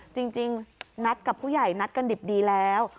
จริงนัดกับผู้ใหญ่นัดกันดิบดีแล้ว